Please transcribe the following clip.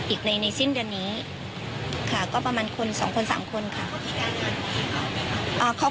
อีกในสิ้นเดือนนี้ค่ะก็ประมาณคนสองคน๓คนค่ะ